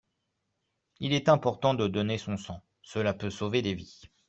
Il est important de donner son sang, cela peut sauver des vies.